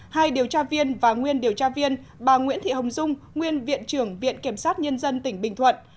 hai điều tra viên và nguyên điều tra viên bà nguyễn thị hồng dung nguyên viện trưởng viện kiểm sát nhân dân tỉnh bình thuận